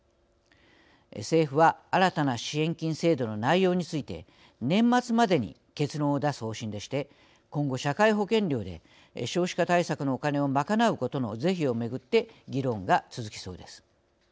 政府は新たな支援金制度の内容について年末までに結論を出す方針でして今後、社会保険料で少子化対策のお金を賄うことの是非を巡って議論が続きそうです。